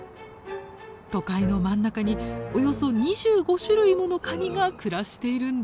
都会の真ん中におよそ２５種類ものカニが暮らしているんです。